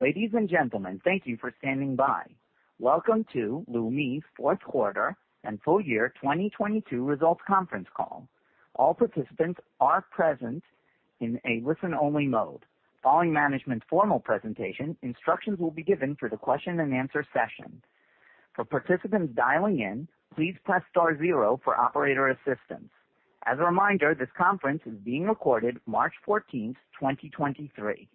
Ladies and gentlemen, thank you for standing by. Welcome to Leumi's fourth quarter and full year 2022 results conference call. All participants are present in a listen-only mode. Following management's formal presentation, instructions will be given for the question-and-answer session. For participants dialing in, please press star zero for operator assistance. As a reminder, this conference is being recorded March 14th, 2023.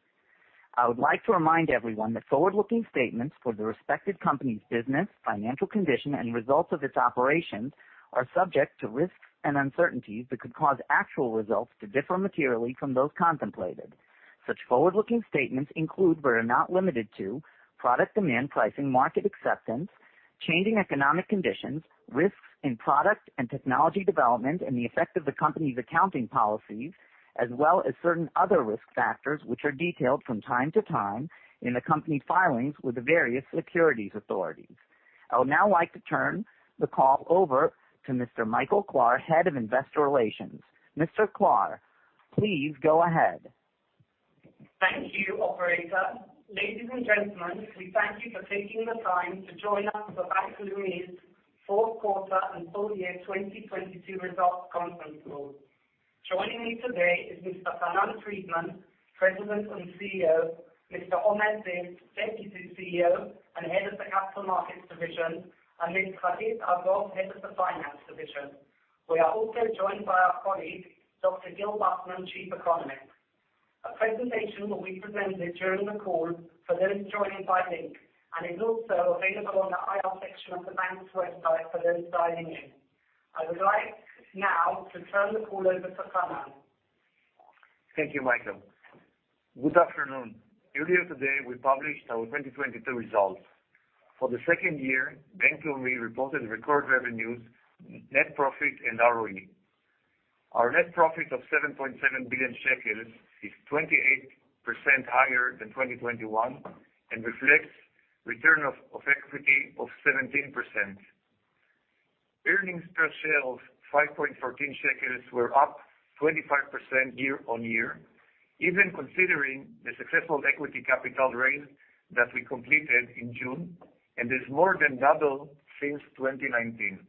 I would like to remind everyone that forward-looking statements for the respected company's business, financial condition, and results of its operations are subject to risks and uncertainties that could cause actual results to differ materially from those contemplated. Such forward-looking statements include, but are not limited to product demand pricing, market acceptance, changing economic conditions, risks in product and technology development, and the effect of the company's accounting policies, as well as certain other risk factors, which are detailed from time to time in the company filings with the various securities authorities. I would now like to turn the call over to Mr. Michael Klahr, Head of Investor Relations. Mr. Klahr, please go ahead. Thank you, operator. Ladies and gentlemen, we thank you for taking the time to join us for Bank Leumi's fourth quarter and full year 2022 results conference call. Joining me today is Mr. Hanan Friedman, President and CEO, Mr. Omer Ziv, Deputy CEO and Head of the Capital Markets Division, and Ms. Hagit Argov, Head of the Finance Division. We are also joined by our colleague, Dr. Gil Bufman, Chief Economist. A presentation will be presented during the call for those joining by link and is also available on the IR section of the bank's website for those dialing in. I would like now to turn the call over to Hanan. Thank you, Michael. Good afternoon. Earlier today, we published our 2022 results. For the second year, Bank Leumi reported record revenues, net profit, and ROE. Our net profit of 7.7 billion shekels is 28% higher than 2021 and reflects return of equity of 17%. Earnings per share of 5.14 shekels were up 25% year on year, even considering the successful equity capital raise that we completed in June, and is more than double since 2019.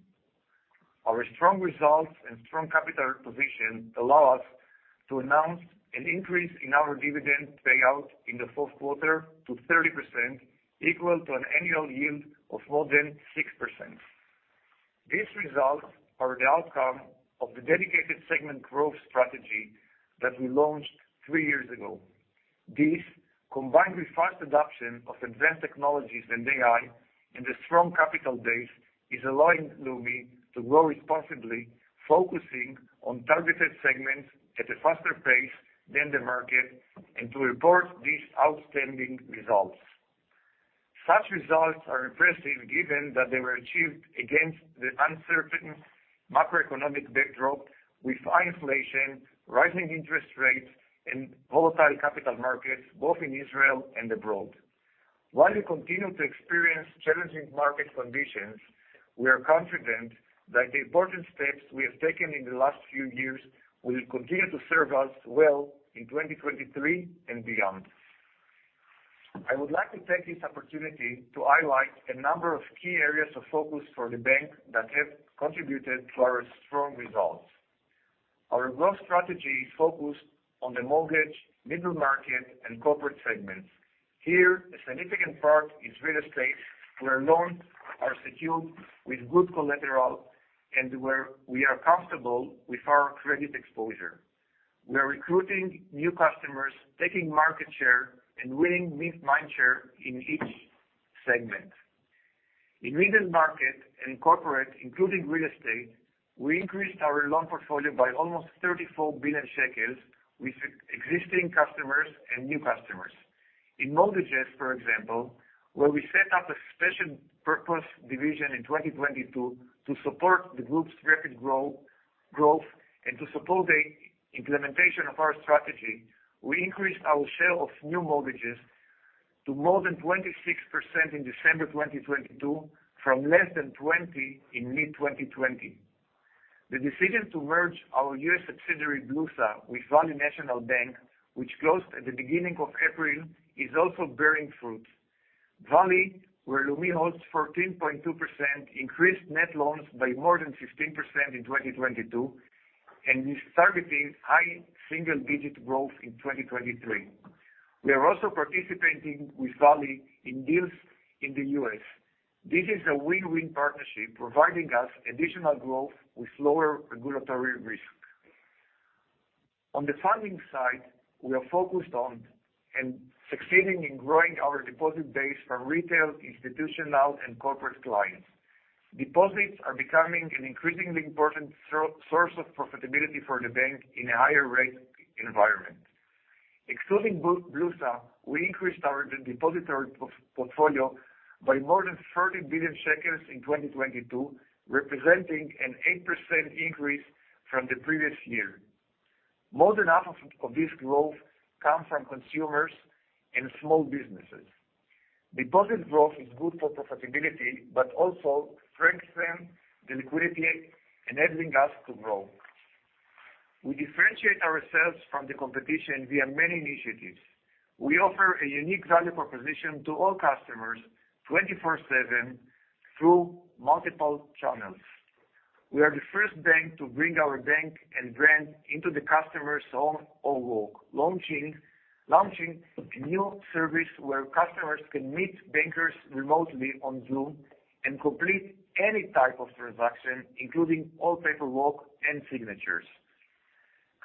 Our strong results and strong capital position allow us to announce an increase in our dividend payout in the fourth quarter to 30%, equal to an annual yield of more than 6%. These results are the outcome of the dedicated segment growth strategy that we launched three years ago. This, combined with fast adoption of advanced technologies and AI and a strong capital base, is allowing Leumi to grow responsibly, focusing on targeted segments at a faster pace than the market, and to report these outstanding results. Such results are impressive given that they were achieved against the uncertain macroeconomic backdrop with high inflation, rising interest rates, and volatile capital markets, both in Israel and abroad. While we continue to experience challenging market conditions, we are confident that the important steps we have taken in the last few years will continue to serve us well in 2023 and beyond. I would like to take this opportunity to highlight a number of key areas of focus for the bank that have contributed to our strong results. Our growth strategy is focused on the mortgage, middle market, and corporate segments. Here, a significant part is real estate, where loans are secured with good collateral and where we are comfortable with our credit exposure. We are recruiting new customers, taking market share, and winning missed mind share in each segment. In middle market and corporate, including real estate, we increased our loan portfolio by almost 34 billion shekels with existing customers and new customers. In mortgages, for example, where we set up a special purpose division in 2022 to support the group's rapid growth and to support the implementation of our strategy, we increased our share of new mortgages to more than 26% in December 2022 from less than 20 in mid-2020. The decision to merge our US subsidiary, Bank Leumi USA, with Valley National Bank, which closed at the beginning of April, is also bearing fruit. Valley, where Leumi holds 14.2%, increased net loans by more than 15% in 2022, and is targeting high single-digit growth in 2023. We are also participating with Valley in deals in the U.S. This is a win-win partnership providing us additional growth with lower regulatory risk. On the funding side, we are focused on and succeeding in growing our deposit base from retail, institutional, and corporate clients. Deposits are becoming an increasingly important source of profitability for the bank in a higher rate environment. Excluding Leumi USA, we increased our depository portfolio by more than 30 billion shekels in 2022, representing an 8% increase from the previous year. More than half of this growth comes from consumers and small businesses. Deposit growth is good for profitability but also strengthen the liquidity, enabling us to grow. We differentiate ourselves from the competition via many initiatives. We offer a unique value proposition to all customers 24/7 through multiple channels. We are the first bank to bring our bank and brand into the customer's home or work, launching a new service where customers can meet bankers remotely on Zoom and complete any type of transaction, including all paperwork and signatures.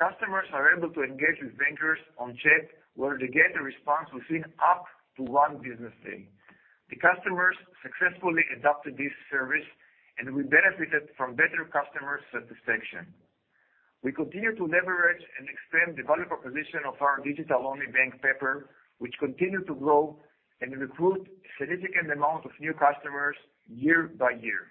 Customers are able to engage with bankers on chat, where they get a response within up to one business day. The customers successfully adopted this service, and we benefited from better customer satisfaction. We continue to leverage and expand the value proposition of our digital-only bank, Pepper, which continued to grow and recruit a significant amount of new customers year by year.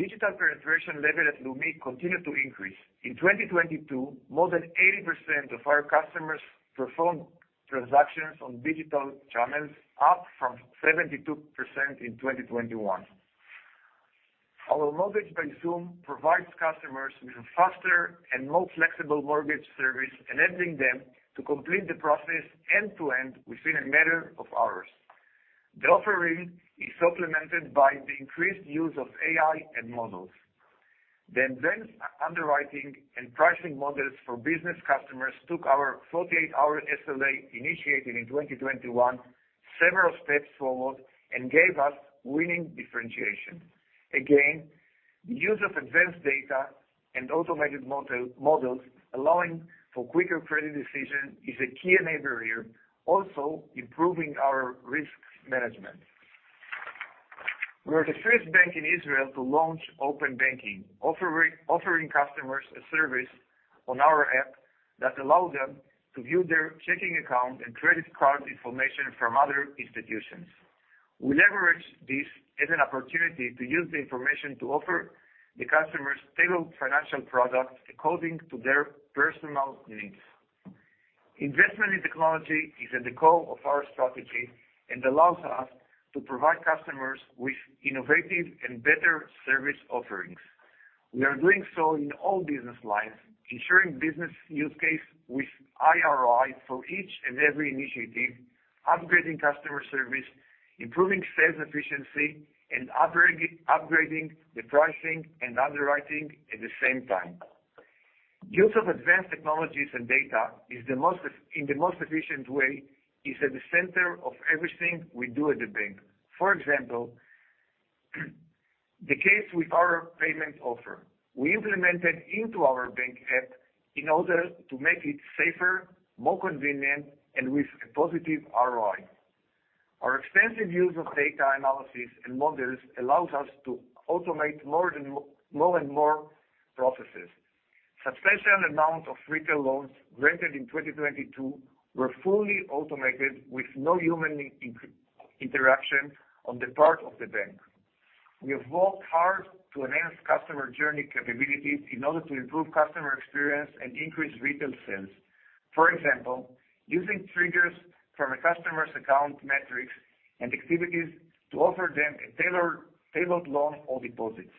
Digital penetration level at Leumi continued to increase. In 2022, more than 80% of our customers performed transactions on digital channels, up from 72% in 2021. Our mortgage by Zoom provides customers with a faster and more flexible mortgage service, enabling them to complete the process end to end within a matter of hours. The offering is supplemented by the increased use of AI and models. The advanced underwriting and pricing models for business customers took our 48-hour SLA, initiated in 2021, several steps forward and gave us winning differentiation. Again, the use of advanced data and automated models allowing for quicker credit decision is a key enabler here, also improving our risk management. We are the first bank in Israel to launch open banking, offering customers a service on our app that allow them to view their checking account and credit card information from other institutions. We leverage this as an opportunity to use the information to offer the customers tailored financial products according to their personal needs. Investment in technology is at the core of our strategy and allows us to provide customers with innovative and better service offerings. We are doing so in all business lines, ensuring business use case with ROI for each and every initiative, upgrading customer service, improving sales efficiency, and upgrading the pricing and underwriting at the same time. Use of advanced technologies and data in the most efficient way is at the center of everything we do at the bank. For example, the case with our payment offer. We implemented into our bank app in order to make it safer, more convenient, and with a positive ROI. Our extensive use of data analysis and models allows us to automate more and more processes. Substantial amount of retail loans granted in 2022 were fully automated with no human interaction on the part of the bank. We have worked hard to enhance customer journey capabilities in order to improve customer experience and increase retail sales. For example, using triggers from a customer's account metrics and activities to offer them a tailored loan or deposits.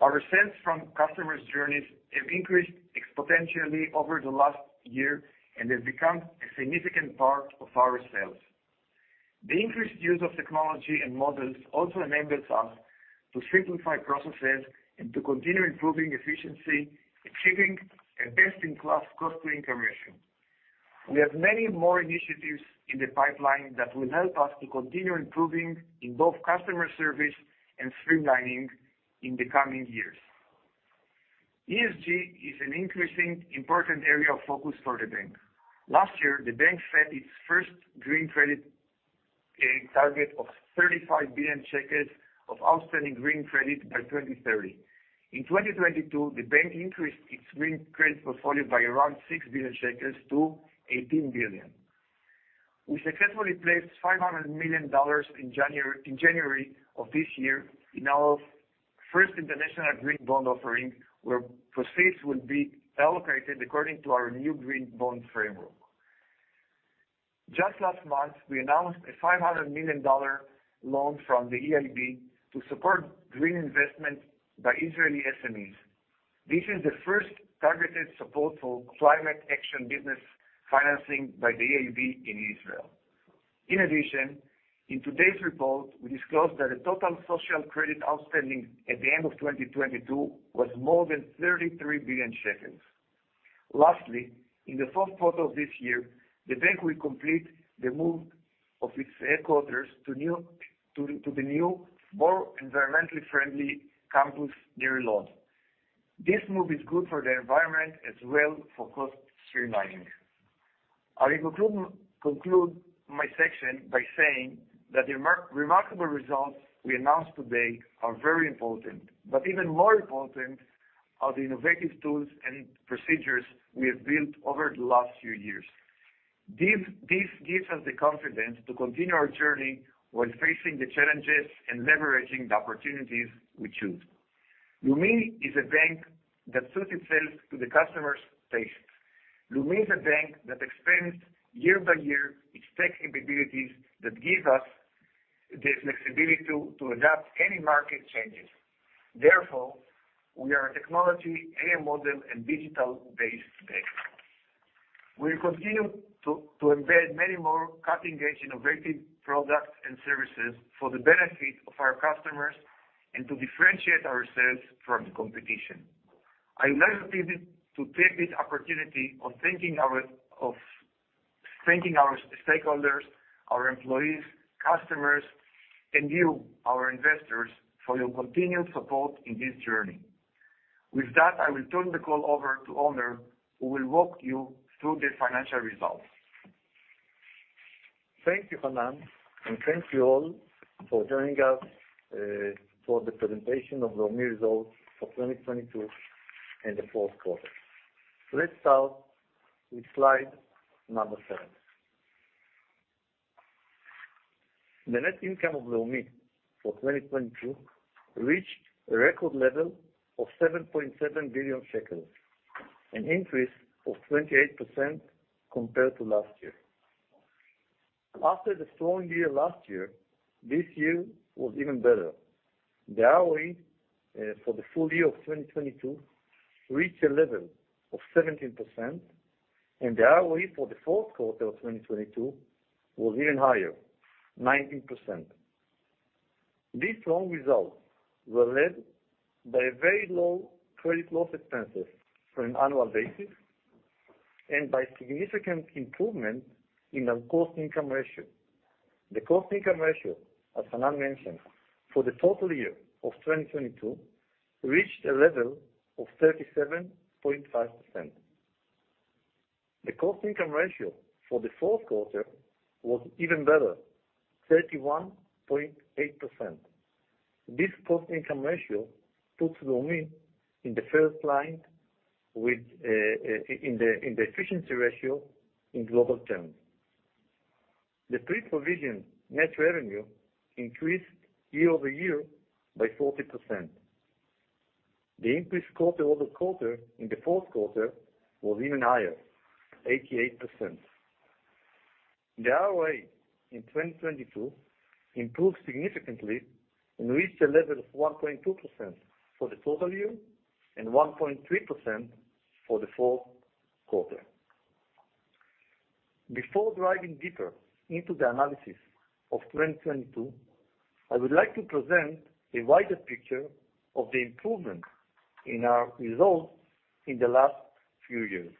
Our sales from customers' journeys have increased exponentially over the last year and have become a significant part of our sales. The increased use of technology and models also enables us to simplify processes and to continue improving efficiency, achieving a best-in-class cost-to-income ratio. We have many more initiatives in the pipeline that will help us to continue improving in both customer service and streamlining in the coming years. ESG is an increasing important area of focus for the bank. Last year, the bank set its first green credit, a target of 35 billion of outstanding green credit by 2030. In 2022, the bank increased its green credit portfolio by around 6 billion shekels to 18 billion. We successfully placed $500 million in January of this year in our first international green bond offering, where proceeds will be allocated according to our new Green Bond Framework. Just last month, we announced a $500 million loan from the EIB to support green investment by Israeli SMEs. This is the first targeted support for climate action business financing by the EIB in Israel. In addition, in today's report, we disclosed that the total social credit outstanding at the end of 2022 was more than 33 billion shekels. Lastly, in the 4th quarter of this year, the bank will complete the move of its headquarters to the new, more environmentally friendly campus near Lod. This move is good for the environment as well for cost streamlining. I will conclude my section by saying that the remarkable results we announced today are very important, but even more important are the innovative tools and procedures we have built over the last few years. This gives us the confidence to continue our journey while facing the challenges and leveraging the opportunities we choose. Leumi is a bank that suits itself to the customer's tastes. Leumi is a bank that expands year by year its tech capabilities that give us the flexibility to adapt any market changes. Therefore, we are a technology AI model and digital-based bank. We'll continue to embed many more cutting-edge innovative products and services for the benefit of our customers and to differentiate ourselves from the competition. I'd like to take this opportunity of thanking our stakeholders, our employees, customers, and you, our investors, for your continued support in this journey. With that, I will turn the call over to Omer, who will walk you through the financial results. Thank you, Hanan, and thank you all for joining us for the presentation of Leumi results for 2022 and the fourth quarter. Let's start with slide number 7. The net income of Leumi for 2022 reached a record level of 7.7 billion shekels, an increase of 28% compared to last year. After the strong year last year, this year was even better. The ROE for the full year of 2022 reached a level of 17%, and the ROE for the fourth quarter of 2022 was even higher, 19%. These strong results were led by a very low credit loss expenses for an annual basis and by significant improvement in our cost-to-income ratio. The cost-to-income ratio, as Hanan mentioned, for the total year of 2022, reached a level of 37.5%. The cost-income ratio for the fourth quarter was even better, 31.8%. This cost-income ratio puts Leumi in the first line with in the efficiency ratio in global terms. The pre-provision net revenue increased year-over-year by 40%. The increase quarter-over-quarter in the fourth quarter was even higher, 88%. The ROA in 2022 improved significantly and reached a level of 1.2% for the total year and 1.3% for the fourth quarter. Before diving deeper into the analysis of 2022, I would like to present a wider picture of the improvement in our results in the last few years.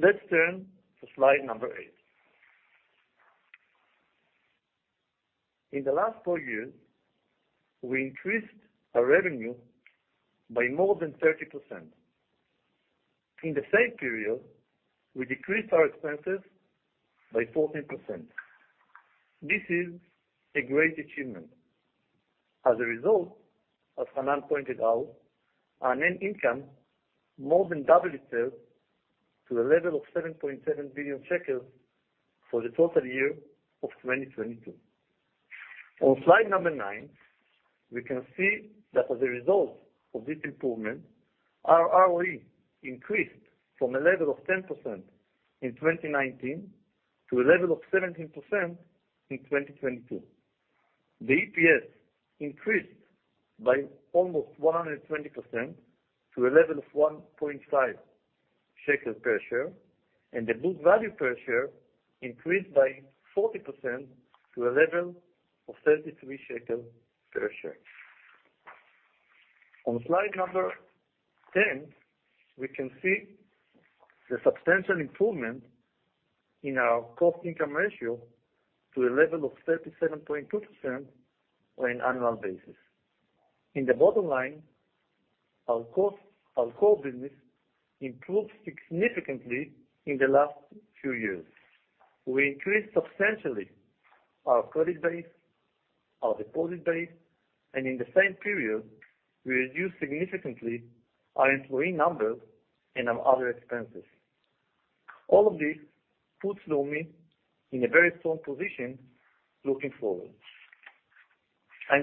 Let's turn to slide number 8. In the last four years, we increased our revenue by more than 30%. In the same period, we decreased our expenses by 14%. This is a great achievement. As a result, as Hanan pointed out, our net income more than doubled itself to a level of 7.7 billion shekels for the total year of 2022. On slide number 9, we can see that as a result of this improvement, our ROE increased from a level of 10% in 2019 to a level of 17% in 2022. The EPS increased by almost 100% to a level of 1.5 shekels per share, and the book value per share increased by 40% to a level of 33 shekels per share. On slide number 10, we can see the substantial improvement in our cost-to-income ratio to a level of 37.2% on an annual basis. In the bottom line, our core business improved significantly in the last few years. We increased substantially our credit base, our deposit base, and in the same period, we reduced significantly our employee numbers and our other expenses. All of this puts Leumi in a very strong position looking forward.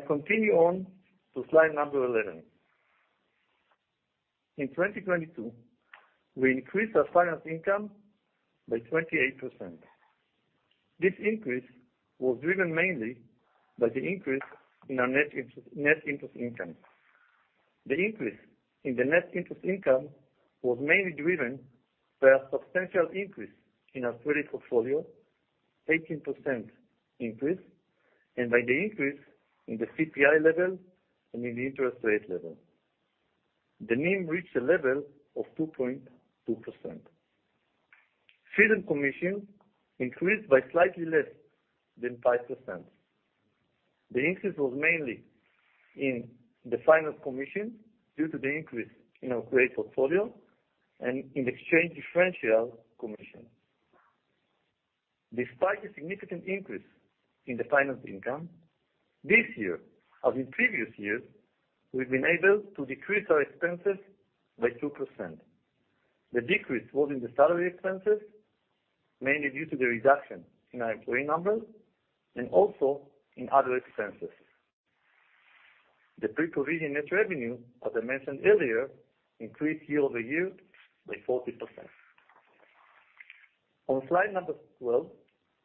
Continue on to slide number 11. In 2022, we increased our finance income by 28%. This increase was driven mainly by the increase in our net interest income. The increase in the net interest income was mainly driven by a substantial increase in our credit portfolio, 18% increase, and by the increase in the CPI level and in the interest rate level. The NIM reached a level of 2.2%. Fees and commission increased by slightly less than 5%. The increase was mainly in the finance commission due to the increase in our credit portfolio and in exchange differential commission. Despite a significant increase in the finance income, this year, as in previous years, we've been able to decrease our expenses by 2%. The decrease was in the salary expenses, mainly due to the reduction in our employee numbers and also in other expenses. The pre-provision net revenue, as I mentioned earlier, increased year-over-year by 40%. On slide number 12,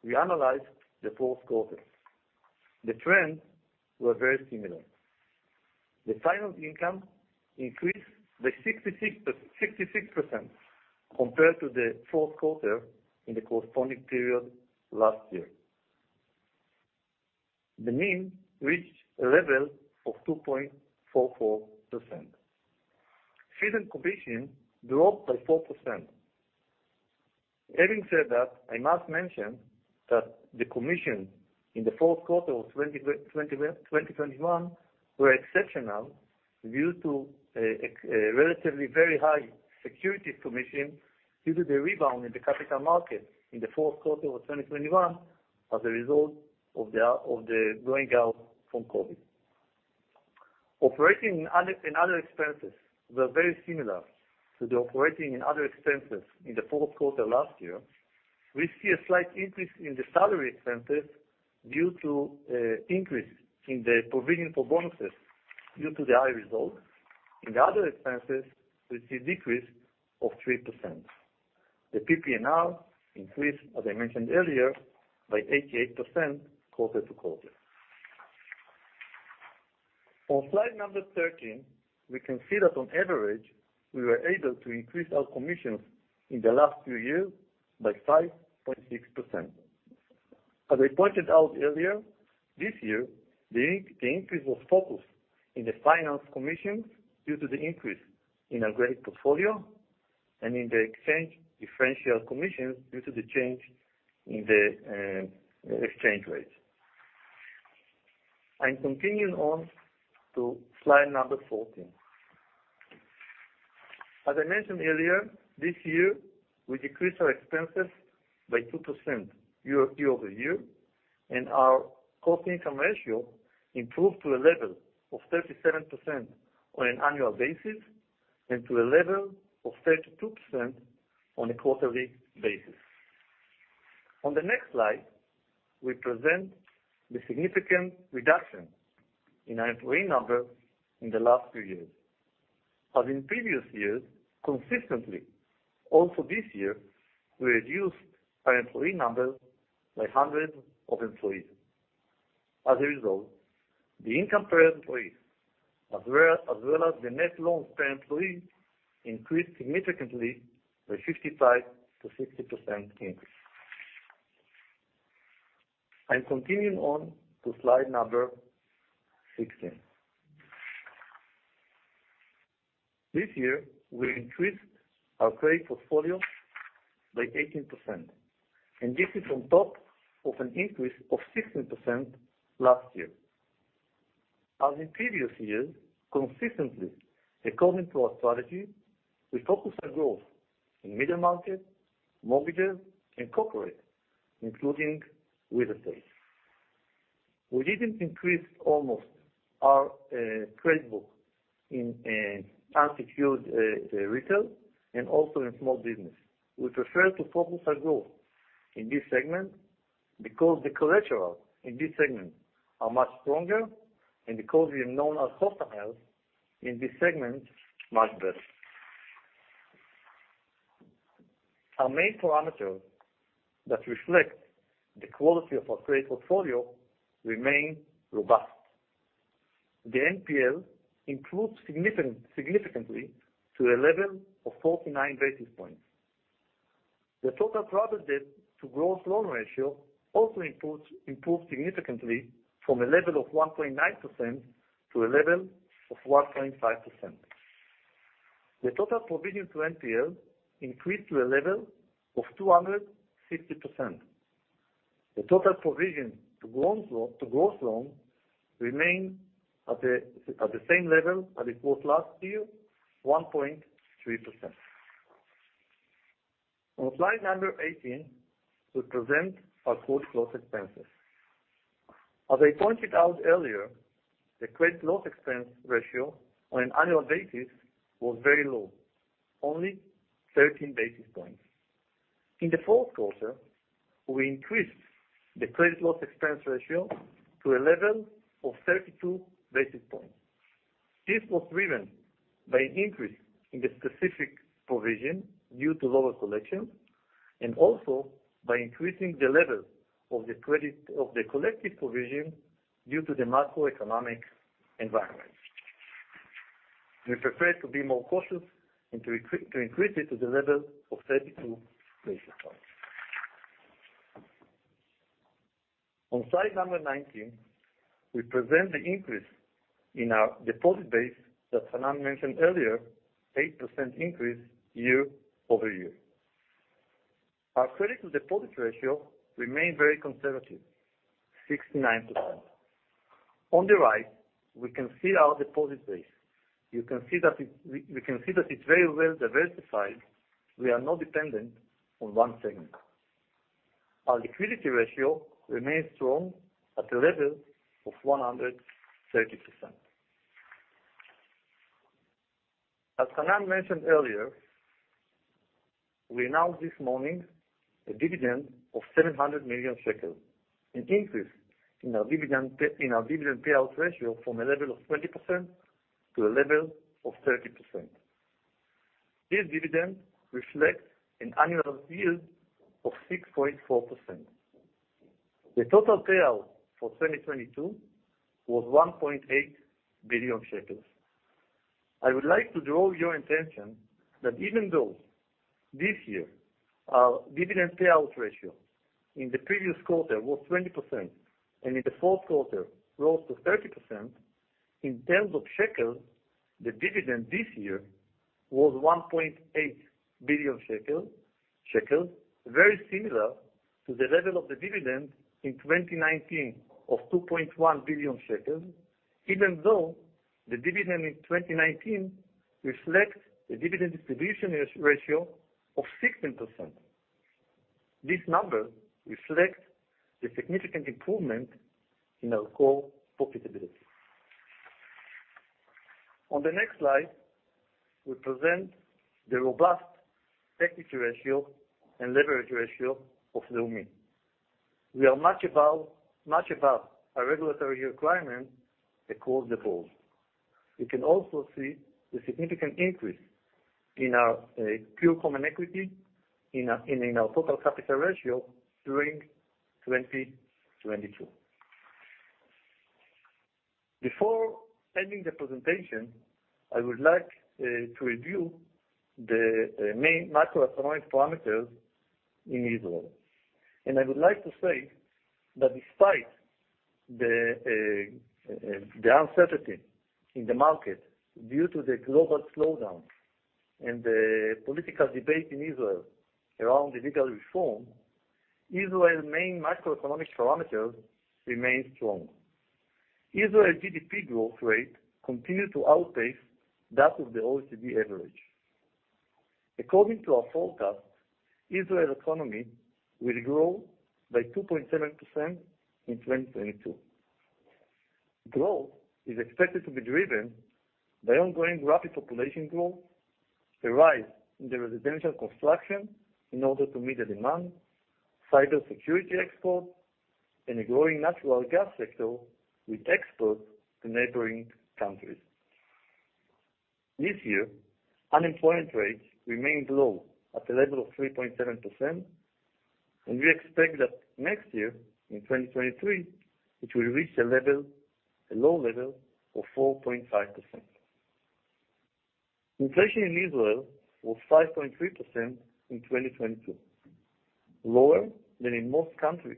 we analyzed the fourth quarter. The trends were very similar. The finance income increased by 66% compared to the fourth quarter in the corresponding period last year. The mean reached a level of 2.44%. Fee and commission dropped by 4%. Having said that, I must mention that the commission in the fourth quarter of 2021 were exceptional due to a relatively very high securities commission, due to the rebound in the capital market in the fourth quarter of 2021 as a result of the going out from COVID. Operating and other expenses were very similar to the operating and other expenses in the fourth quarter last year. We see a slight increase in the salary expenses due to increase in the provision for bonuses due to the high results. In the other expenses, we see a decrease of 3%. The PPNR increased, as I mentioned earlier, by 88% quarter-to-quarter. On slide number 13, we can see that on average, we were able to increase our commissions in the last few years by 5.6%. As I pointed out earlier, this year, the increase was focused in the finance commissions due to the increase in our credit portfolio and in the exchange differential commissions due to the change in the exchange rates. I'm continuing on to slide number 14. As I mentioned earlier, this year, we decreased our expenses by 2% year-over-year, our cost-to-income ratio improved to a level of 37% on an annual basis and to a level of 32% on a quarterly basis. On the next slide, we present the significant reduction in our employee number in the last few years. As in previous years, consistently, also this year, we reduced our employee number by hundreds of employees. As a result, the income per employee, as well as the net loans per employee, increased significantly by 55%-60% increase. I'm continuing on to slide number 16. This year, we increased our trade portfolio by 18%, this is on top of an increase of 16% last year. As in previous years, consistently, according to our strategy, we focus our growth in middle market, mortgages, and corporate, including retail. We didn't increase almost our trade book in unsecured retail and also in small business. We prefer to focus our growth in this segment because the collateral in this segment are much stronger and because we're known as On slide number 19, we present the increase in our deposit base that Hanan mentioned earlier, 8% increase year-over-year. Our credit to deposit ratio remain very conservative, 69%. On the right, we can see our deposit base. You can see that We can see that it's very well diversified. We are not dependent on one segment. Our liquidity ratio remains strong at a level of 130%. As Hanan mentioned earlier, we announced this morning a dividend of 700 million shekels, an increase in our dividend payout ratio from a level of 20% to a level of 30%. This dividend reflects an annual yield of 6.4%. The total payout for 2022 was 1.8 billion shekels. I would like to draw your attention that even though this year our dividend payout ratio in the previous quarter was 20% and in the fourth quarter rose to 30%, in terms of ILS, the dividend this year was 1.8 billion shekel, very similar to the level of the dividend in 2019 of 2.1 billion shekels, even though the dividend in 2019 reflects the dividend distribution ratio of 16%. This number reflects the significant improvement in our core profitability. On the next slide, we present the robust equity ratio and leverage ratio of Leumi. We are much above our regulatory requirement across the board. You can also see the significant increase in our pure common equity in our total capital ratio during 2022. Before ending the presentation, I would like to review the main macroeconomic parameters in Israel. I would like to say that despite the uncertainty in the market due to the global slowdown and the political debate in Israel around the legal reform, Israel's main macroeconomic parameters remain strong. Israel GDP growth rate continued to outpace that of the OECD average. According to our forecast, Israel economy will grow by 2.7% in 2022. Growth is expected to be driven by ongoing rapid population growth, a rise in the residential construction in order to meet the demand, cybersecurity export, and a growing natural gas sector with export to neighboring countries. This year, unemployment rates remained low at a level of 3.7%. We expect that next year, in 2023, it will reach a low level of 4.5%. Inflation in Israel was 5.3% in 2022, lower than in most countries.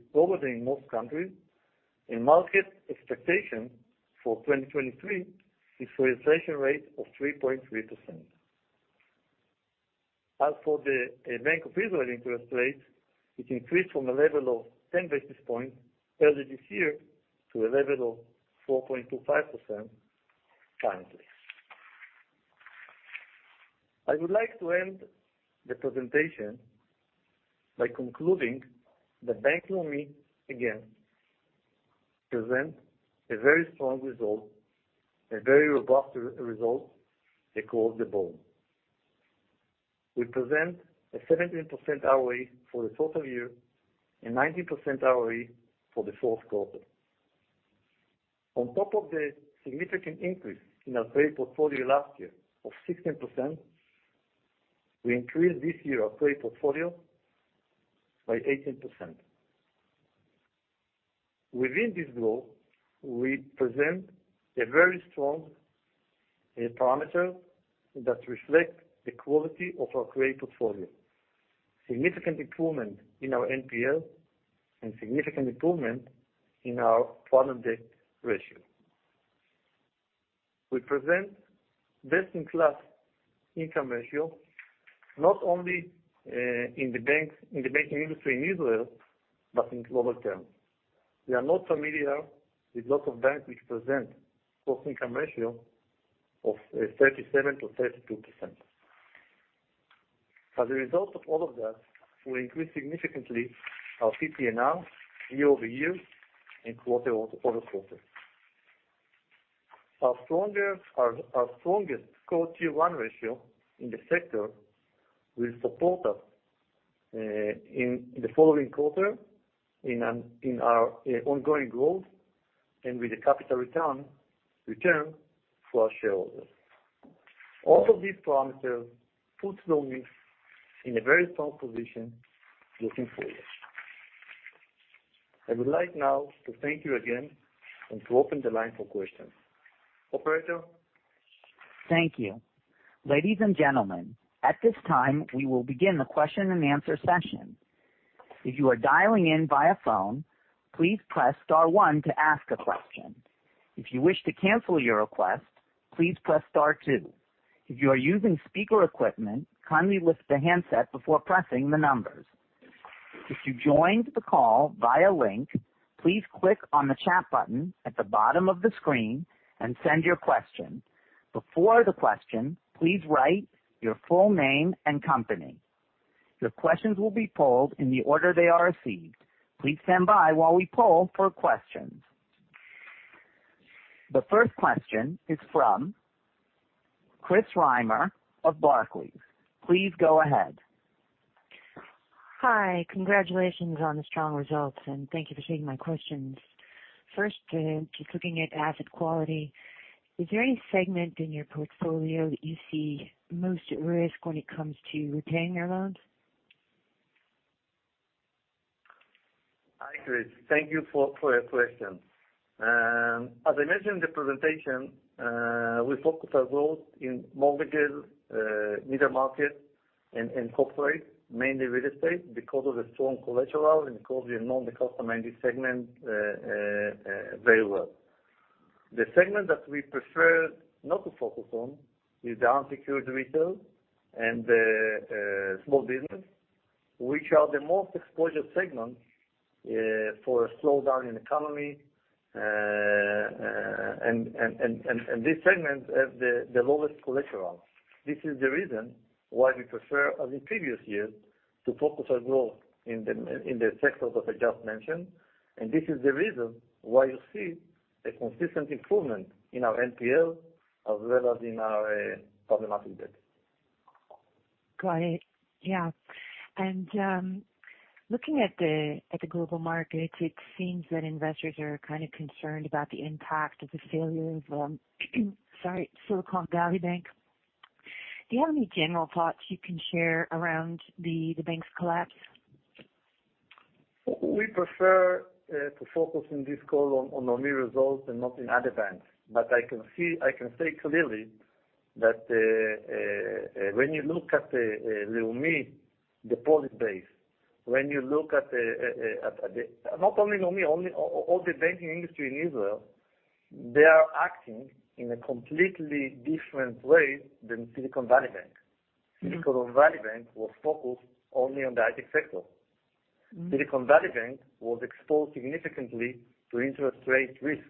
Market expectation for 2023 is for inflation rate of 3.3%. As for the Bank of Israel interest rate, it increased from a level of 10 basis points earlier this year to a level of 4.25% currently. I would like to end the presentation by concluding that Bank Leumi, again, present a very strong result, a very robust re-result across the board. We present a 17% ROE for the total year and 19% ROE for the fourth quarter. On top of the significant increase in our trade portfolio last year of 16%, we increased this year our trade portfolio by 18%. Within this growth, we present a very strong parameter that reflects the quality of our trade portfolio. Significant improvement in our NPL and significant improvement in our problem debt ratio. We present best-in-class income ratio, not only in the banks, in the banking industry in Israel, but in global terms. We are not familiar with lot of banks which present cost-to-income ratio of 37%-32%. As a result of all of that, we increased significantly our CET1 ratio year-over-year and quarter-over-quarter. Our strongest Core Tier 1 ratio in the sector will support us in the following quarter in our ongoing growth and with a capital return for our shareholders. All of these parameters puts Leumi in a very strong position looking forward. I would like now to thank you again and to open the line for questions. Operator. Thank you. Ladies and gentlemen, at this time, we will begin the question-and-answer session. If you are dialing in via phone, please press star one to ask a question. If you wish to cancel your request, please press star two. If you are using speaker equipment, kindly lift the handset before pressing the numbers. If you joined the call via link, please click on the chat button at the bottom of the screen and send your question. Before the question, please write your full name and company. Your questions will be polled in the order they are received. Please stand by while we poll for questions. The first question is from Chris Reimer of Barclays. Please go ahead. Hi, congratulations on the strong results, and thank you for taking my questions. First, just looking at asset quality, is there any segment in your portfolio that you see most at risk when it comes to repaying your loans? Hi, Chris. Thank you for your question. As I mentioned in the presentation, we focus our growth in mortgages, middle market and corporate, mainly real estate because of the strong collateral and because we know the customer in this segment very well. The segment that we prefer not to focus on is the unsecured retail and small business, which are the most exposure segments for a slowdown in economy. These segments have the lowest collateral. This is the reason why we prefer, as in previous years, to focus our growth in the sectors that I just mentioned, and this is the reason why you see a consistent improvement in our NPL as well as in our problematic debt. Got it. Yeah. Looking at the, at the global market, it seems that investors are kind of concerned about the impact of the failure of, sorry, Silicon Valley Bank. Do you have any general thoughts you can share around the bank's collapse? We prefer to focus on this call on our results and not in other banks. I can say clearly that when you look at Leumi deposit base, when you look at Not only Leumi, only all the banking industry in Israel, they are acting in a completely different way than Silicon Valley Bank. Mm-hmm. Silicon Valley Bank was focused only on the IT sector. Mm-hmm. Silicon Valley Bank was exposed significantly to interest rate risks.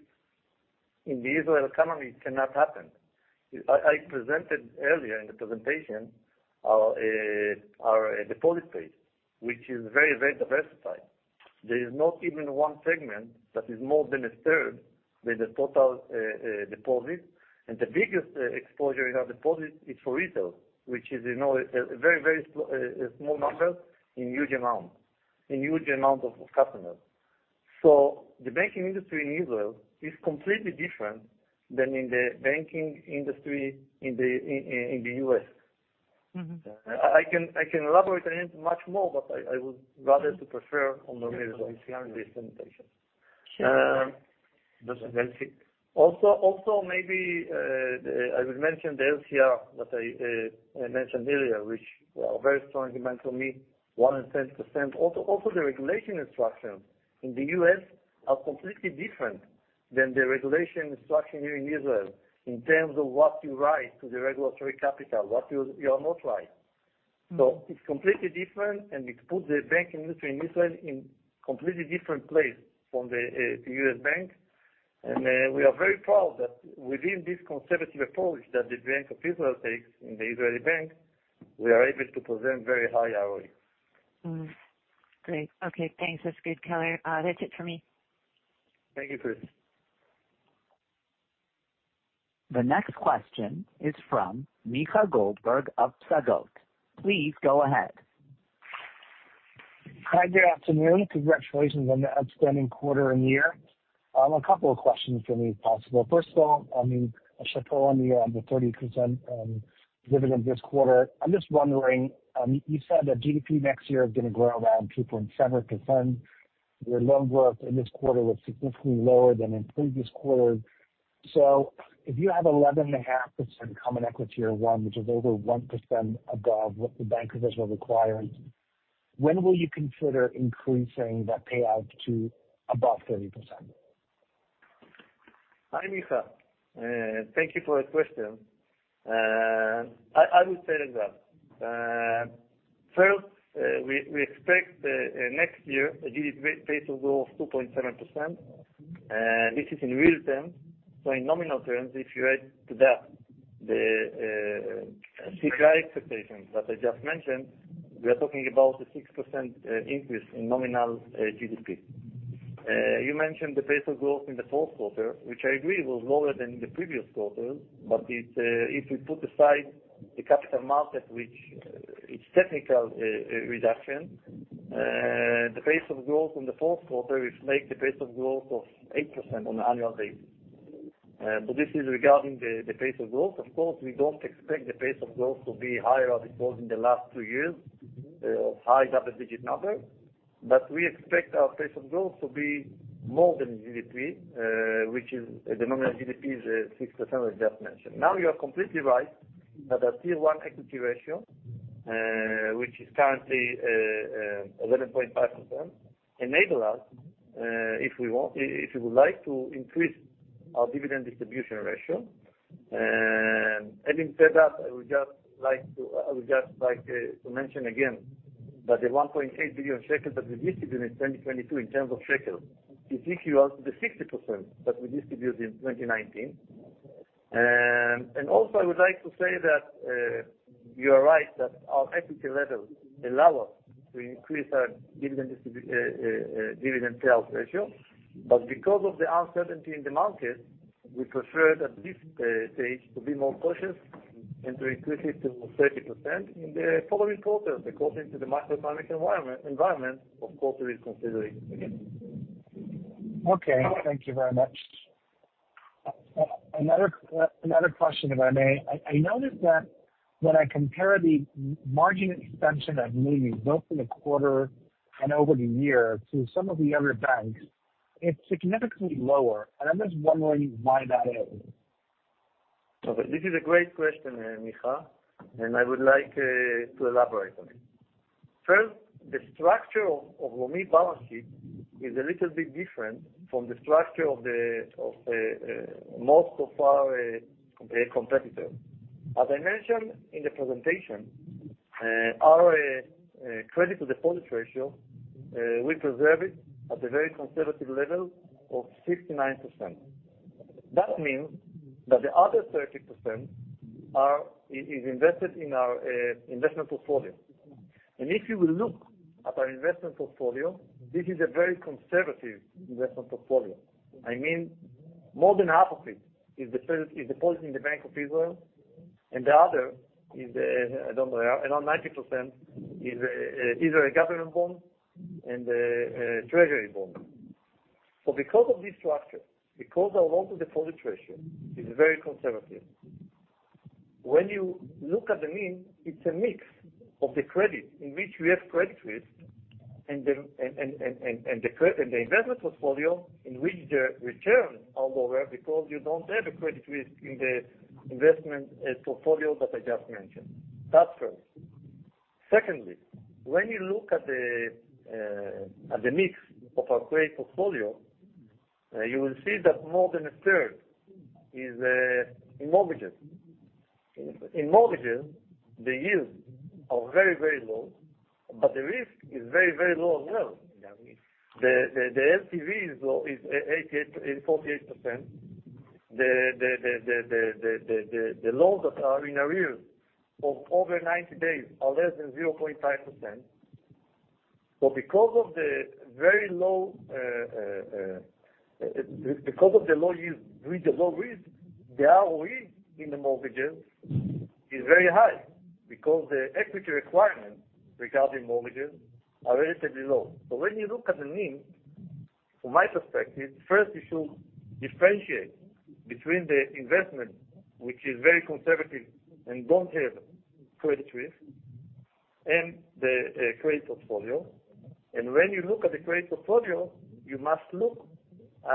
In the Israel economy, it cannot happen. I presented earlier in the presentation our deposit base, which is very diversified. There is not even one segment that is more than a third with the total deposit, and the biggest exposure in our deposit is for retail, which is, you know, a very small number in huge amount of customers. The banking industry in Israel is completely different than in the banking industry in the US. Mm-hmm. I can elaborate on it much more, but I would rather to prefer on the results here in this presentation. Sure. That's it. Also, maybe, I will mention the LCR that I mentioned earlier, which are very strong, you mentioned to me, one in 10%. Also, the regulation instruction in the US are completely different than the regulation instruction here in Israel in terms of what you write to the regulatory capital, what you are not write. Mm-hmm. It's completely different, and it puts the banking industry in Israel in completely different place from the US bank. We are very proud that within this conservative approach that the Bank of Israel takes in the Israeli bank, we are able to present very high ROI. Mm-hmm. Great. Okay, thanks. That's good color. That's it for me. Thank you, Chris. The next question is from Micha Goldberg of Psagot. Please go ahead. Hi, Good afternoon. Congratulations on the outstanding quarter and year. A couple of questions for me, if possible. First of all, I mean, I should tell on you on the 30% dividend this quarter. I'm just wondering, you said that GDP next year is gonna grow around 2.7%. Your loan growth in this quarter was significantly lower than in previous quarters. If you have 11.5% common equity or one, which is over 1% above what the Bank of Israel requires, when will you consider increasing that payout to above 30%? Hi, Micha. Thank you for the question. I will say it as well. First, we expect next year a GDP pace of growth, 2.7%. This is in real terms. In nominal terms, if you add to that the CPI expectations that I just mentioned, we are talking about a 6% increase in nominal GDP. You mentioned the pace of growth in the fourth quarter, which I agree was lower than the previous quarter, but it, if we put aside the capital market, which is technical reduction, the pace of growth in the fourth quarter, it makes the pace of growth of 8% on an annual basis. This is regarding the pace of growth. Of course, we don't expect the pace of growth to be higher as it was in the last two years, high double-digit number, but we expect our pace of growth to be more than GDP, which is the nominal GDP is 6%, as I just mentioned. Now, you are completely right that our tier-one equity ratio, which is currently 11.5%, enable us, if we want, if we would like to increase our dividend distribution ratio. Instead that, I would just like to mention again that the 1.8 billion shekels that we distributed in 2022 in terms of shekel is equal to the 60% that we distributed in 2019. Also, I would like to say that you are right that our equity levels allow us to increase our dividend payout ratio, but because of the uncertainty in the market, we prefer at this stage to be more cautious. And to increase it to 30% in the following quarters, according to the macroeconomic environment, of course, we're considering again. Okay, thank you very much. Another question, if I may. I noticed that when I compare the margin expansion at Leumi, both in the quarter and over the year to some of the other banks, it's significantly lower, and I'm just wondering why that is. Okay. This is a great question, Micha, I would like to elaborate on it. First, the structure of Leumi balance sheet is a little bit different from the structure of the most of our competitors. As I mentioned in the presentation, our credit to deposit ratio, we preserve it at a very conservative level of 69%. That means that the other 30% are invested in our investment portfolio. If you will look at our investment portfolio, this is a very conservative investment portfolio. I mean, more than half of it is depositing in the Bank of Israel, the other is, I don't know, around 90% is either a government bond and a treasury bond. Because of this structure, because our loan to deposit ratio is very conservative, when you look at the NIM, it's a mix of the credit in which we have credit risk and the credit and the investment portfolio in which the returns are lower because you don't have a credit risk in the investment portfolio that I just mentioned. That's first. Secondly, when you look at the at the mix of our trade portfolio, you will see that more than a third is in mortgages. In, in mortgages, the yields are very, very low, but the risk is very, very low as well. The LTV is low, is 48%. The loans that are in arrears of over 90 days are less than 0.5%. Because of the very low yield, with the low risk, the ROE in the mortgages is very high because the equity requirements regarding mortgages are relatively low. When you look at the NIM, from my perspective, first you should differentiate between the investment, which is very conservative and don't have credit risk, and the credit portfolio. When you look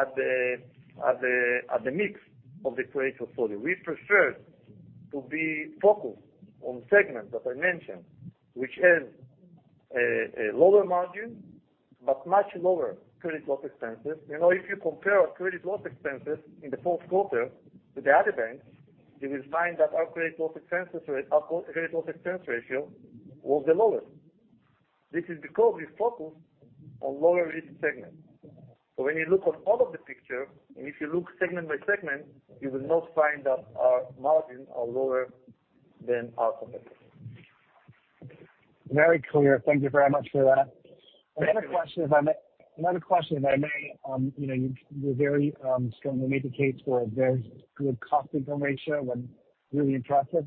at the mix of the credit portfolio. We prefer to be focused on segments that I mentioned, which has a lower margin, but much lower credit loss expenses. You know, if you compare our credit loss expenses in the fourth quarter with the other banks, you will find that our credit loss expense ratio was the lowest. This is because we focus on lower risk segments. When you look on all of the picture, and if you look segment by segment, you will not find that our margin are lower than our competitors. Very clear. Thank you very much for that. Thank you. Another question, if I may. You know, you very strongly make the case for a very good cost-to-income ratio and really impressive.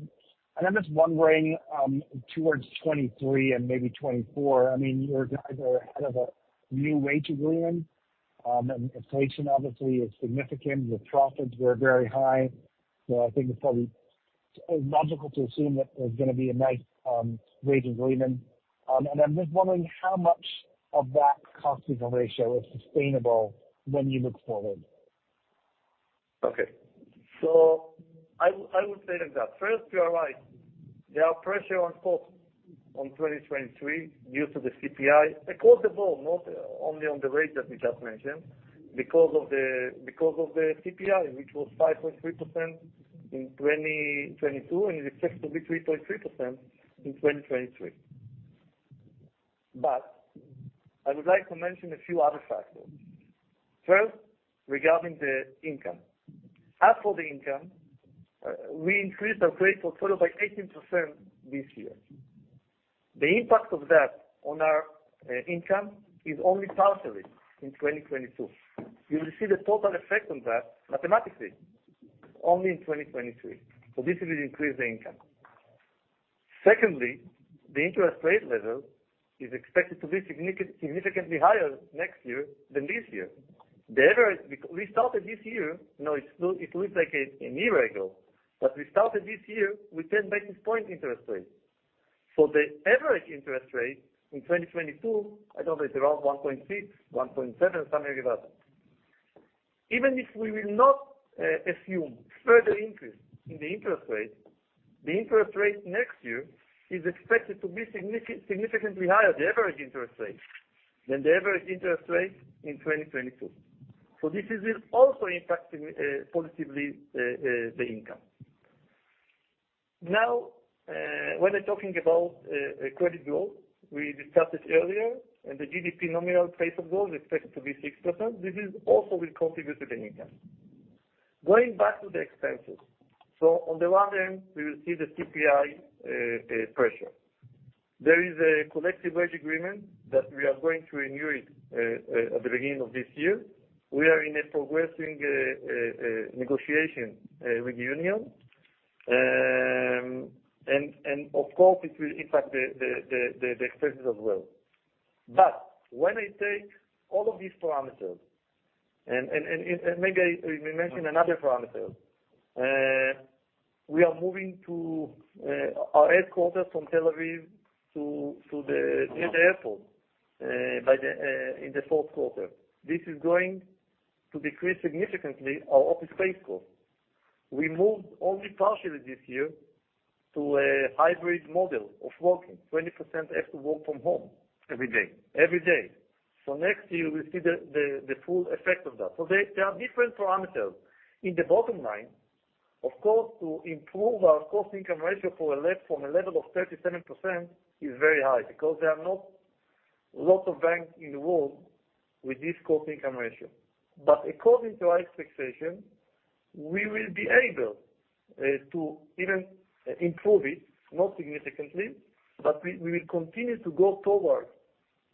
I'm just wondering, towards 2023 and maybe 2024, I mean, you guys are ahead of a new wage agreement, and inflation obviously is significant. Your profits were very high. I think it's probably logical to assume that there's gonna be a nice wage agreement. I'm just wondering how much of that cost-to-income ratio is sustainable when you look forward. Okay. I will tell you that, first, you are right. There are pressure on costs on 2023 due to the CPI, across the board, not only on the rate that we just mentioned because of the, because of the CPI, which was 5.3% in 2022, and it's expected to be 3.3% in 2023. I would like to mention a few other factors. First, regarding the income. As for the income, we increased our credit portfolio by 18% this year. The impact of that on our income is only partially in 2022. You will see the total effect on that mathematically only in 2023. This will increase the income. Secondly, the interest rate level is expected to be significantly higher next year than this year. The average, we started this year, you know, it's still, it looks like a year ago, but we started this year with 10 basis point interest rate. The average interest rate in 2022, I don't know, it's around 1.6, 1.7, something like that. Even if we will not assume further increase in the interest rate, the interest rate next year is expected to be significantly higher, the average interest rate, than the average interest rate in 2022. This will also impact positively the income. Now, when talking about credit growth, we discussed it earlier, and the GDP nominal pace of growth is expected to be 6%. This is also will contribute to the income. Going back to the expenses, on the one end, we will see the CPI pressure. There is a collective wage agreement that we are going to renew it at the beginning of this year. We are in a progressing negotiation with the union. Of course, it will impact the expenses as well. When I take all of these parameters and maybe we mention another parameter. We are moving to our headquarters from Tel Aviv to the airport in the fourth quarter. This is going to decrease significantly our office space cost. We moved only partially this year to a hybrid model of working. 20% have to work from home. Every day. Every day. Next year we'll see the full effect of that. There are different parameters. In the bottom line, of course, to improve our cost-to-income ratio for a level, from a level of 37% is very high because there are not lots of banks in the world with this cost-to-income ratio. According to our expectation, we will be able to even improve it, not significantly, but we will continue to go towards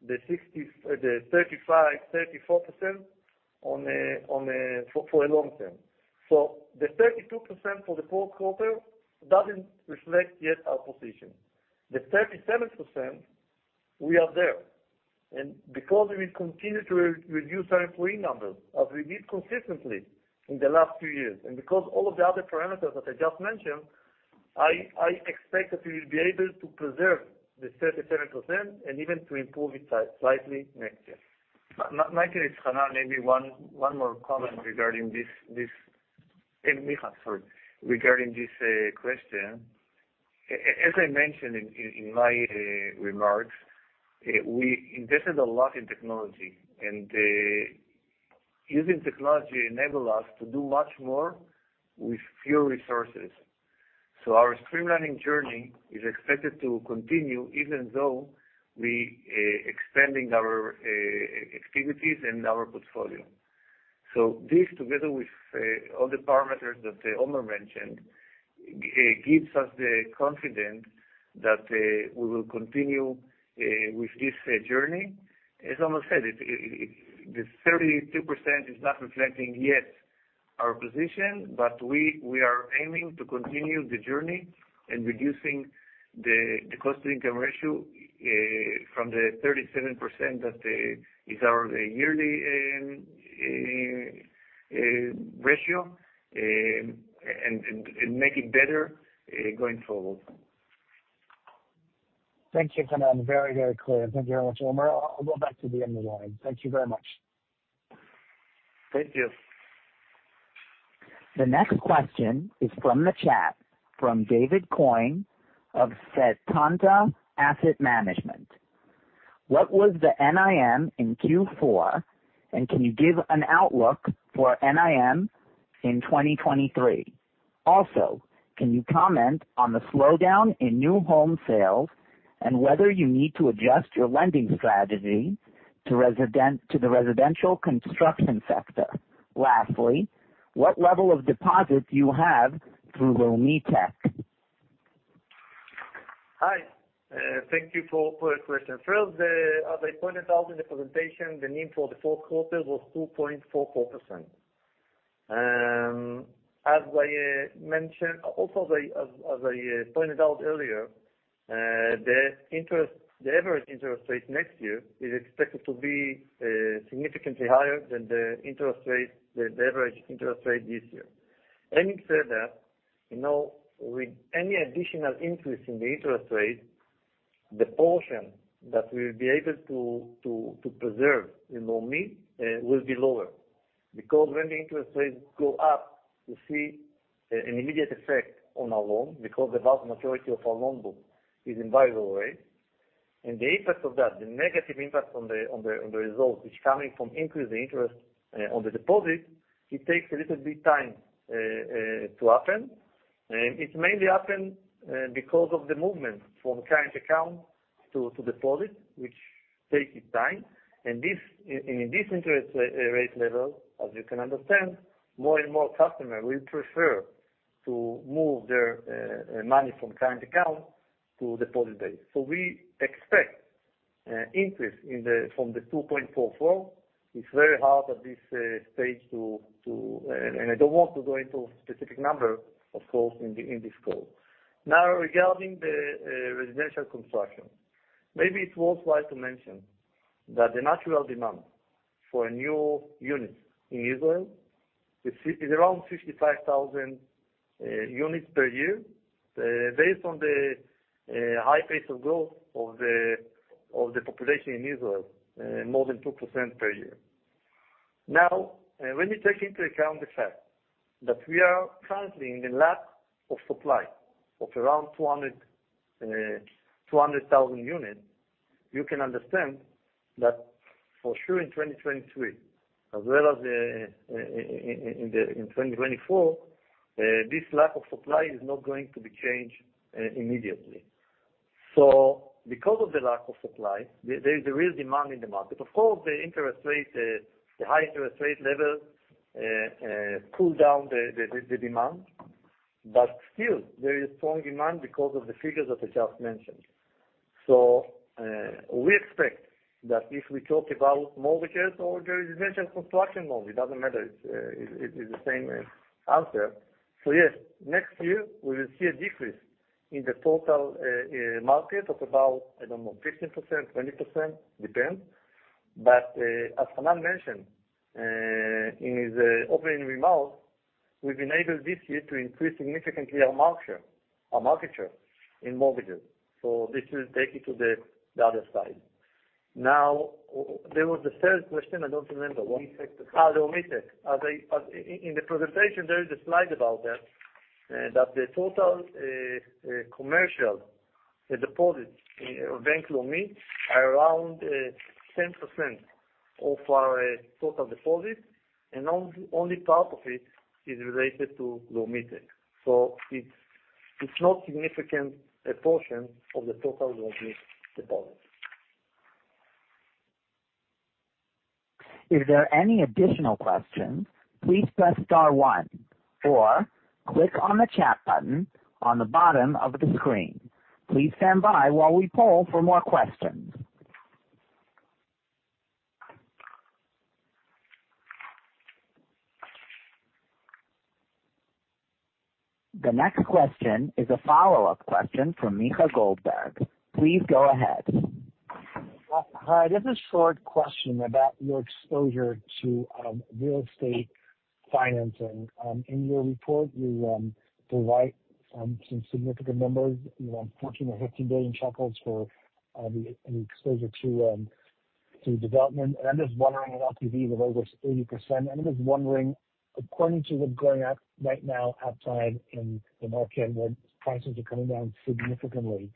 the 60, the 35%-34% on a for a long term. The 32% for the fourth quarter doesn't reflect yet our position. The 37%, we are there. Because we will continue to reduce our employee numbers as we did consistently in the last two years, and because all of the other parameters that I just mentioned, I expect that we will be able to preserve the 37% and even to improve it slightly next year. My turn, it's Hanan. Maybe one more comment regarding this. Micha, sorry, regarding this question. As I mentioned in my remarks, we invested a lot in technology, and using technology enable us to do much more with fewer resources. Our streamlining journey is expected to continue even though we expanding our activities and our portfolio. This, together with all the parameters that Omer mentioned, gives us the confidence that we will continue with this journey. As Omer said, the 32% is not reflecting yet our position, but we are aiming to continue the journey in reducing the cost-to-income ratio from the 37% that is our yearly ratio, and make it better going forward. Thank you, Hanan. Very, very clear. Thank you very much, Omer. I'll go back to the end of the line. Thank you very much. Thank you. The next question is from the chat, from David Coyne of Setanta Asset Management. What was the NIM in Q4, and can you give an outlook for NIM in 2023? Can you comment on the slowdown in new home sales and whether you need to adjust your lending strategy to the residential construction sector? What level of deposits you have through LeumiTech? Hi, thank you for the question. First, as I pointed out in the presentation, the NIM for the fourth quarter was 2.44%. As I mentioned. Also, as I pointed out earlier, the interest, the average interest rate next year is expected to be significantly higher than the interest rate, the average interest rate this year. Having said that, you know, with any additional increase in the interest rate, the portion that we will be able to preserve in Leumi will be lower. Because when the interest rates go up, you see an immediate effect on our loan, because the vast majority of our loan book is in variable rate. The impact of that, the negative impact on the results, which coming from increase the interest on the deposit, it takes a little bit time to happen. It mainly happen because of the movement from current account to deposit, which takes its time. This, in this interest rate level, as you can understand, more and more customer will prefer to move their money from current account to deposit base. We expect increase in the, from the 2.44. It's very hard at this stage to. And I don't want to go into specific number, of course, in this call. Now, regarding the residential construction. Maybe it's worthwhile to mention that the natural demand for a new unit in Israel is 50, is around 55,000 units per year, based on the high pace of growth of the population in Israel, more than 2% per year. Now, when you take into account the fact that we are currently in the lack of supply of around 200,000 units, you can understand that for sure in 2023, as well as in 2024, this lack of supply is not going to be changed immediately. Because of the lack of supply, there is a real demand in the market. Of course, the interest rate, the high interest rate level cool down the demand. Still there is strong demand because of the figures that I just mentioned. We expect that if we talk about mortgages or the residential construction loan, it doesn't matter, it's the same answer. Yes, next year we will see a decrease in the total market of about, I don't know, 15%-20%, depends. As Hanan mentioned in his opening remarks, we've enabled this year to increase significantly our market share in mortgages. This will take you to the other side. There was a third question, I don't remember. LeumiTech. LeumiTech. In the presentation, there is a slide about that the total commercial deposits, bank loans are around 10% of our total deposit, and only part of it is related to LeumiTech. It's not significant a portion of the total LeumiTech deposit. If there are any additional questions, please press star one or click on the chat button on the bottom of the screen. Please stand by while we poll for more questions. The next question is a follow-up question from Micah Goldberg. Please go ahead. Hi. Just a short question about your exposure to real estate financing. In your report, you provide some significant numbers, you know, 14 billion-15 billion shekels for the exposure to development. I'm just wondering, in LTV, with over 80%, I'm just wondering, according to what's going up right now outside in the market, where prices are coming down significantly,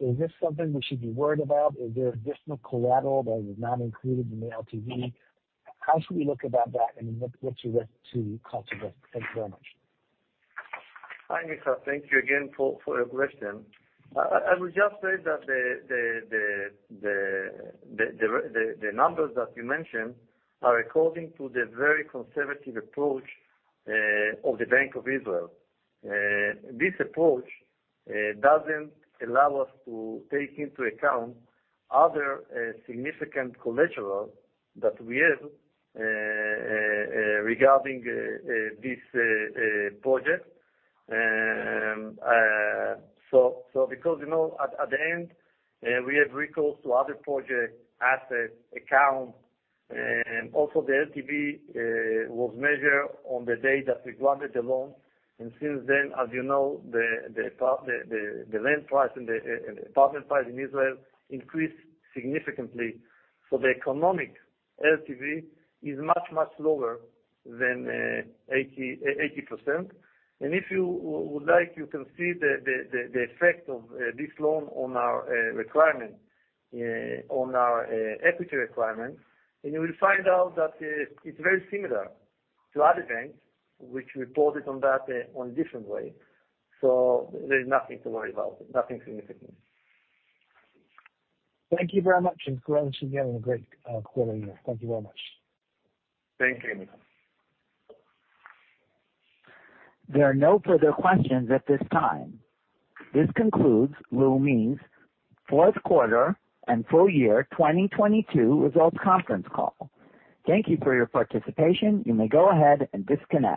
is this something we should be worried about? Is there additional collateral that is not included in the LTV? How should we look about that and what's your risk to cost of it? Thank you very much. Hi, Micah. Thank you again for your question. I would just say that the numbers that you mentioned are according to the very conservative approach of the Bank of Israel. This approach doesn't allow us to take into account other significant collateral that we have regarding this project. Because, you know, at the end, we have recourse to other project assets, accounts, and also the LTV was measured on the day that we granted the loan. Since then, as you know, the land price and the apartment price in Israel increased significantly. The economic LTV is much, much lower than 80%. If you would like, you can see the effect of this loan on our requirement, on our equity requirement, and you will find out that it's very similar to other banks which reported on that on different way. There's nothing to worry about. Nothing significant. Thank you very much, and congrats again on a great quarter year. Thank you very much. Thank you. There are no further questions at this time. This concludes Leumi's fourth quarter and full year 2022 results conference call. Thank you for your participation. You may go ahead and disconnect.